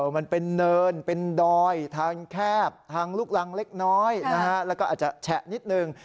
มันเป็นเนินเป็นดอยทางแคบทางลูกรังเล็กน้อยนะฮะแล้วก็อาจจะแฉะนิดนึง